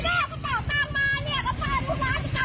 แล้วกลับมาหรือเปล่า